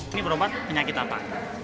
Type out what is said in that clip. ini perobat penyakit apa